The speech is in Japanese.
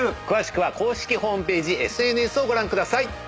詳しくは公式ホームページＳＮＳをご覧ください。